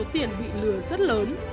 với số tiền bị lừa rất lớn